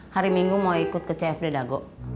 hari minggu mau ikut ke cfd dago